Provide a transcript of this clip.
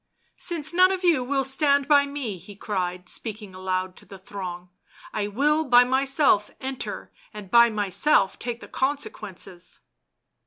" Since none of you will stand by me," he cried, speaking aloud to the throng, " I will by myself enter, and by myself take the consequences